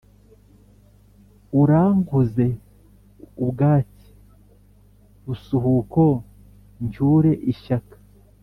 urankuze ubwatsi busuhuko ncyure ishyaka,